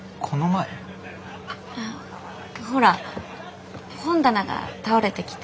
ほら本棚が倒れてきて。